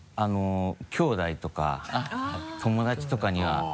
きょうだいとか友達とかには。